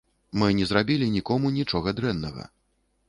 Мы не зрабілі нікому нічога дрэннага.